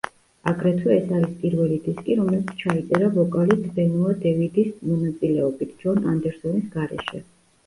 აგრეთვე ეს არის პირველი დისკი, რომელიც ჩაიწერა ვოკალისტ ბენუა დევიდის მონაწილეობით, ჯონ ანდერსონის გარეშე.